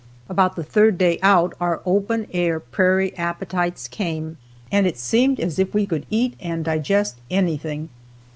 About the third day out our open air prairie appetites came, and it seemed as if we could eat and digest anything.